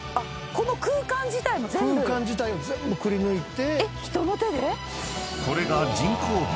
空間自体を全部くりぬいて。